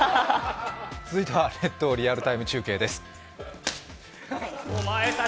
続いては「列島リアルタイム中継」です。